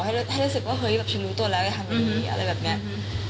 ให้รู้สึกว่าเฮ้ยแบบฉันรู้ตัวแล้วจะทำแบบนี้อะไรแบบนี้